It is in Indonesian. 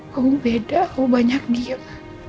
kamu beda kamu banyak diem